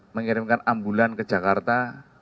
mengirimkan ambulan ke jakarta